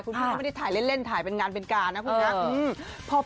คุณผู้ชมไม่ได้ถ่ายเล่นถ่ายเป็นงานเป็นการนะคุณผู้ชม